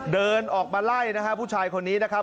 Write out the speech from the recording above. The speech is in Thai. เดินออกมาไล่นะฮะผู้ชายคนนี้นะครับ